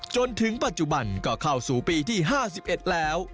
จนถึงปัจจุบันก็เข้าสู่ปีที่๕๑แล้ว